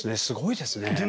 すごいですね。